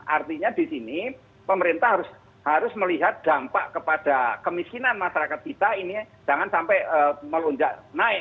artinya di sini pemerintah harus melihat dampak kepada kemiskinan masyarakat kita ini jangan sampai melonjak naik